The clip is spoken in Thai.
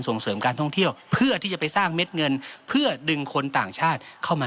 ส่งเสริมการท่องเที่ยวเพื่อที่จะไปสร้างเม็ดเงินเพื่อดึงคนต่างชาติเข้ามา